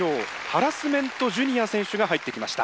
ハラスメントＪｒ．選手が入ってきました。